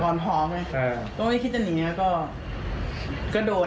ก่อนถอดไหมก็ไม่คิดจะหนีนะก็โดน